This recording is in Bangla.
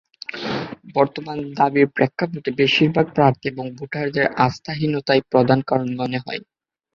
বর্তমান দাবির প্রেক্ষাপটে বেশির ভাগ প্রার্থী এবং ভোটারদের আস্থাহীনতাই প্রধান কারণ মনে হয়।